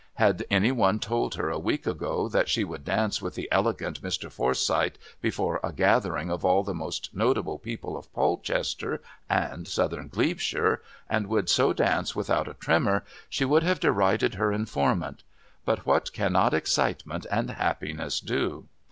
Had any one told her a week ago that she would dance with the elegant Mr. Forsyth before a gathering of all the most notable people of Polchester and Southern Glebeshire, and would so dance without a tremor, she would have derided her informant. But what cannot excitement and happiness do?